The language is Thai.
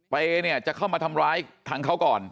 เปย์เนี่ยจะเข้ามาทำร้ายทางเขาก่อน